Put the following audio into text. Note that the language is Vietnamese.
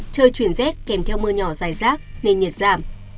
trời chuyển rét kèm theo mưa nhỏ dài rác nên nhiệt giảm